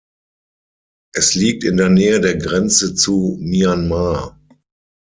Es liegt in der Nähe der Grenze zu Myanmar.